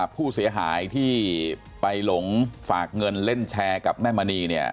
ผู้เสียหายที่ไปหลงฝากเงินเล่นแชร์กับแม่มณีเนี่ย